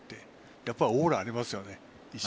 やっぱりオーラありますよね。